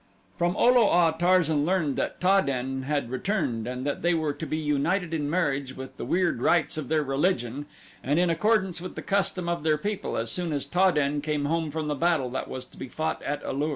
From O lo a Tarzan learned that Ta den had returned and that they were to be united in marriage with the weird rites of their religion and in accordance with the custom of their people as soon as Ta den came home from the battle that was to be fought at A lur.